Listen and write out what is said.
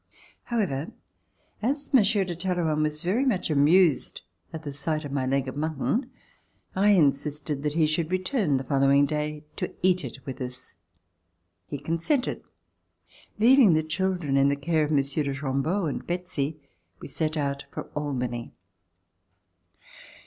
However, as Monsieur de Talleyrand was very much amused at the sight of my leg of mutton, I insisted that he should return the follow ing day to eat it with us. He consented. Leaving the children in the care of Monsieur de Chambeau and Betsey, we set out for Albany.